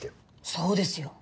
そうですよ。